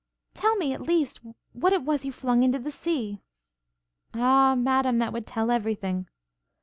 'Tell me, at least, what it was you flung into the sea?' 'Ah, Madam, that would tell every thing!'